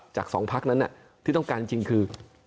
จากสองพักนั้นเนี่ยที่ต้องการจริงคือ